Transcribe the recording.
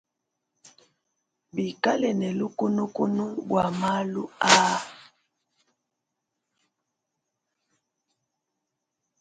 Bikale ne lukunukunu bua malu aa.